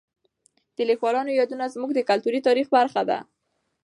د لیکوالو یادونه زموږ د کلتوري تاریخ برخه ده.